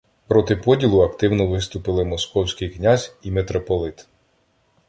Проти поділу активно виступили московський князь і митрополит.